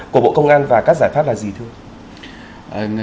của bộ công an và các giải pháp là gì thưa ông